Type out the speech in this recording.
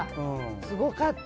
すごかった。